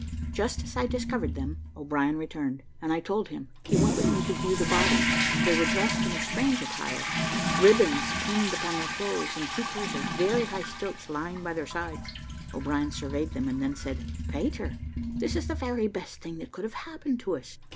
Just as I discovered them, O'Brien returned, and I told him: he went with me to view the bodies. They were dressed in a strange attire, ribands pinned upon their clothes, and two pairs of very high stilts lying by their sides. O'Brien surveyed them, and then said, "Peter, this is the very best thing that could have happened to us.